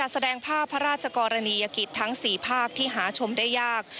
แสดงภาพพระราชกรณียกิจทั้ง๔ภาคที่หาชมได้ยาก